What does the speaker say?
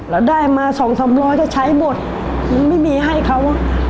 เราได้มา๒๐๐๓๐๐ถ้าใช้หมดยังไม่มีให้เขา